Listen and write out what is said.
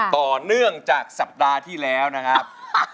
ต่อเนื่องจากสัปดาห์ที่แล้วนะครับ